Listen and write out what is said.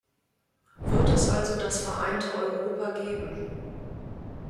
Wird es also das Vereinte Europa geben?